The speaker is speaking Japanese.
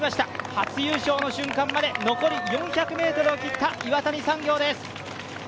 初優勝の瞬間まで残り４００ｍを切った岩谷産業です。